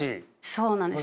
そうなんです。